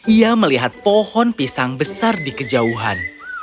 ia melihat pohon pisang besar di kejauhan